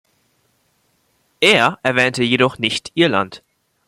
Er erwähnte jedoch nicht Irland.